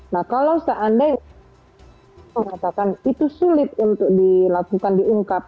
nah kalau seandainya mengatakan itu sulit untuk dilakukan diungkap